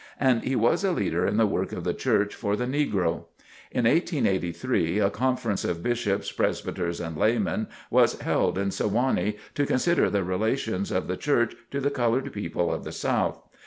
And he was a leader in the work of the Church for the negro. In 1883, a conference of bishops, presbyters and laymen was held in Sewanee, to consider the relations of the Church to the colored people of the South.